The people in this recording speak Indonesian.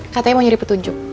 katanya mau nyuri petunjuk